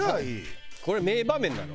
これ名場面なの？